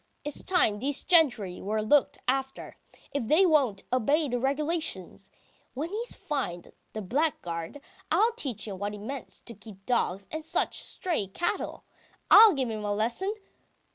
It's time these gentry were looked after, if they won't obey the regulations! When he's fined, the blackguard, I'll teach him what it means to keep dogs and such stray cattle! I'll give him a lesson!